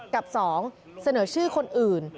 กับ๒เสนอชื่อคนอื่น